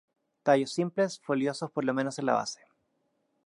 Tallos simples, foliosos por lo menos en la base.